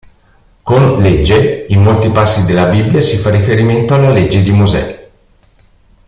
Con "legge" in molti passi della Bibbia si fa riferimento alla legge di Mosè.